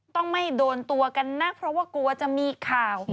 ต้องไม่โดนตัวกันนะเพราะว่ากลัวจะมีข่าว